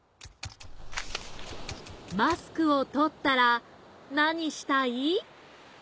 マスクをとったらなにしたい？